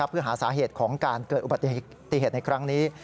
เพื่อหาสาเหตุของการเกิดอุบัติเหตุในครั้งนี้